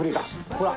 ほら。